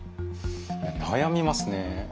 いや悩みますね。